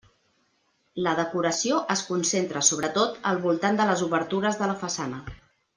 La decoració es concentra sobretot al voltant de les obertures de la façana.